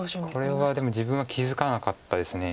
これはでも自分は気付かなかったです。